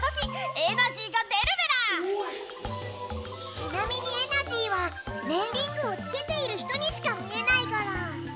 ちなみにエナジーはねんリングをつけている人にしか見えないゴロ。